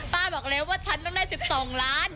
บอกเลยว่าฉันต้องได้๑๒ล้าน